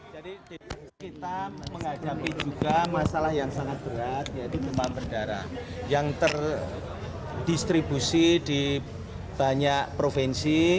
jadi kita menghadapi juga masalah yang sangat berat yaitu demam berdarah yang terdistribusi di banyak provinsi